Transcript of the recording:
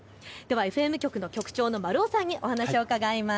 ＦＭ局の局長の丸尾さんにお話を伺います。